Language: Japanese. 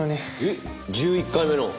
えっ１１回目の？